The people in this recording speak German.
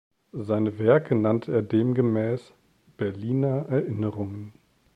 Seine Werke nannte er demgemäß „Berliner Erinnerungen“.